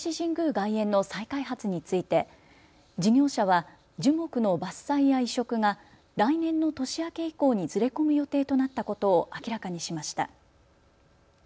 外苑の再開発について事業者は樹木の伐採や移植が来年の年明け以降にずれ込む予定となったことを明らかにしました。